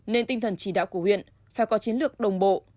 nên tinh thần chỉ đạo của huyện phải có chiến lược đồng bộ